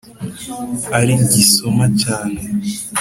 ari gisoma cyane